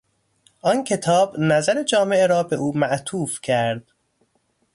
آن کتاب نظر جامعه را به او معطوف کرد.